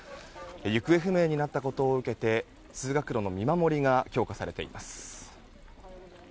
行方不明になったことを受けて通学路の見守りが強化されています。